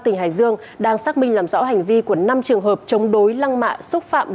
tỉnh hải dương đang xác minh làm rõ hành vi của năm trường hợp chống đối lăng mạ xúc phạm